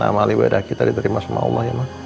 amali berdaki tadi terima sama allah ya ma